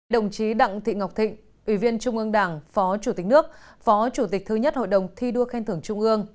đồng chí đặng thị ngọc thịnh ủy viên trung ương đảng phó chủ tịch nước phó chủ tịch thứ nhất hội đồng thi đua khen thưởng trung ương